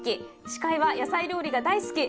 司会は野菜料理が大好き